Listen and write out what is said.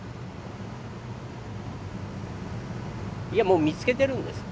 いやもう見つけてるんです。